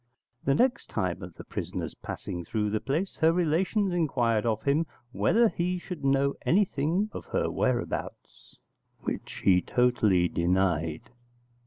The next time of the prisoner's passing through the place, her relations inquired of him whether he should know anything of her whereabouts; which he totally denied.